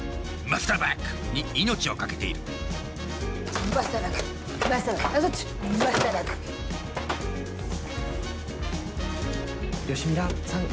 マスターバック！に命を懸けている吉ミラさん